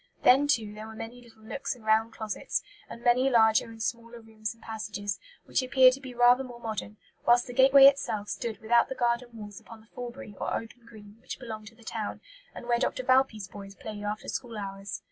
Then, too, there were many little nooks and round closets, and many larger and smaller rooms and passages, which appeared to be rather more modern; whilst the gateway itself stood without the garden walls upon the Forbury or open green, which belonged to the town, and where Dr. Valpy's boys played after school hours.